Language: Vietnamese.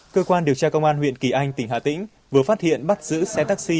cơ quan điều tra công an huyện kỳ anh tỉnh hà tĩnh vừa phát hiện bắt giữ xe taxi